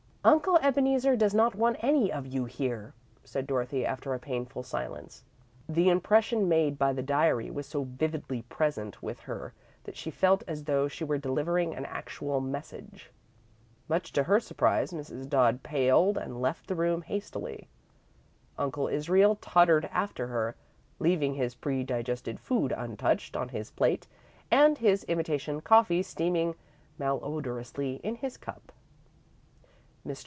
"Uncle Ebeneezer does not want any of you here," said Dorothy, after a painful silence. The impression made by the diary was so vividly present with her that she felt as though she were delivering an actual message. Much to her surprise, Mrs. Dodd paled and left the room hastily. Uncle Israel tottered after her, leaving his predigested food untouched on his plate and his imitation coffee steaming malodorously in his cup. Mr.